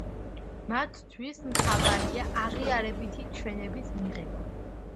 მათთვის მთავარია აღიარებითი ჩვენების მიღება.